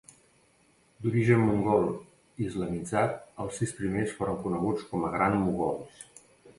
D'origen mongol islamitzat, els sis primers foren coneguts com a Grans Mogols.